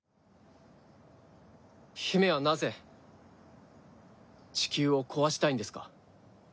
姫はなぜ地球を壊したいんですか？